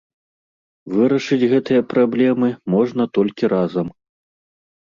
Вырашыць гэтыя праблемы можна толькі разам.